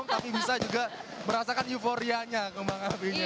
tapi bisa juga merasakan euforianya kembang apinya